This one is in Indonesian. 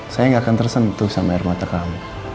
saya nggak akan tersentuh sama air mata kamu